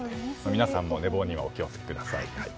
皆さんも寝坊にはお気をつけください。